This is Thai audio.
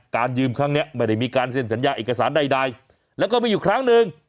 ยืมครั้งนี้ไม่ได้มีการเซ็นสัญญาเอกสารใดแล้วก็มีอยู่ครั้งหนึ่ง